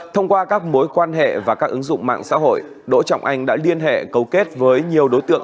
thông qua các mối quan hệ và các ứng dụng mạng xã hội đỗ trọng anh đã liên hệ cấu kết với nhiều đối tượng